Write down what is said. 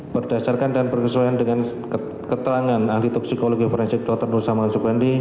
berdasarkan dan berkesoaran dengan ketangan ahli toksikologi forensik dr nusama soekarni